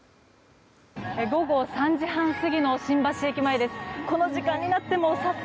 午後３時半過ぎの新橋駅前です。